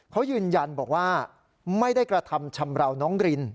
เขายืนยันบอกว่าไม่ได้กระทำชำราวน้องริน